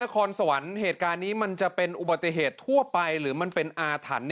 คอนสวรรค์เหตุการณ์นี้มันจะเป็นอุบัติเหตุทั่วไปหรือมันเป็นอาถรรพ์